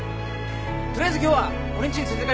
取りあえず今日は俺んちに連れて帰ります。